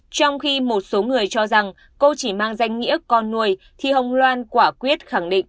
trong khi một số người cho rằng cô chỉ mang danh nghĩa con nuôi thì hồng loan quả quyết khẳng định